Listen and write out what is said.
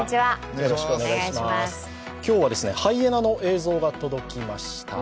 今日はハイエナの映像が届きました。